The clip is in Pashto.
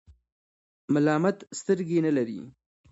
ملامت سترګي نلری .